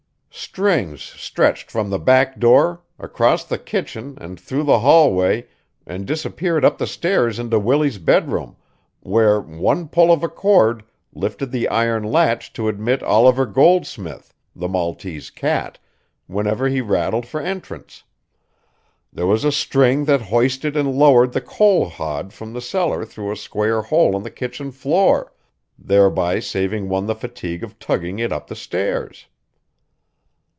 Strings stretched from the back door, across the kitchen and through the hallway, and disappeared up the stairs into Willie's bedroom, where one pull of a cord lifted the iron latch to admit Oliver Goldsmith, the Maltese cat, whenever he rattled for entrance. There was a string that hoisted and lowered the coal hod from the cellar through a square hole in the kitchen floor, thereby saving one the fatigue of tugging it up the stairs.